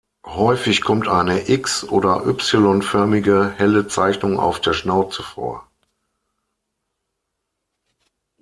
Häufig kommt eine X- oder Y-förmige helle Zeichnung auf der Schnauze vor.